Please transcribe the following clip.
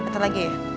betul lagi ya